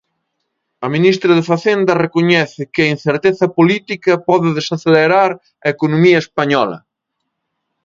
A ministra de Facenda recoñece que a incerteza política pode desacelerar a economía española.